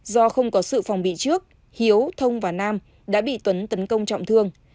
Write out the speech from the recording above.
do không có sự phòng bị trước hiếu thông và nam đã bị tuấn tấn công trọng thương